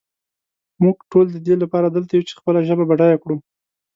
مونږ ټول ددې لپاره دلته یو چې خپله ژبه بډایه کړو.